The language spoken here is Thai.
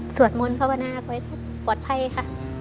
สวดมนต์พระบนาคไว้ทุกข์ปลอดภัยค่ะ